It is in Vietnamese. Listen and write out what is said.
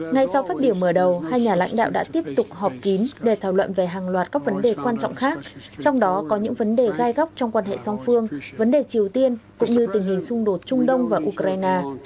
ngay sau phát biểu mở đầu hai nhà lãnh đạo đã tiếp tục họp kín để thảo luận về hàng loạt các vấn đề quan trọng khác trong đó có những vấn đề gai góc trong quan hệ song phương vấn đề triều tiên cũng như tình hình xung đột trung đông và ukraine